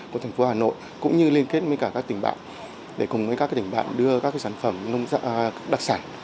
của thành phố hà nội cũng như liên kết với cả các tỉnh bạn để cùng với các tỉnh bạn đưa các sản phẩm đặc sản